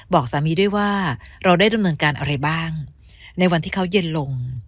บอกสามีด้วยว่าเราได้ดำเนินการอะไรบ้างในวันที่เขาเย็นลง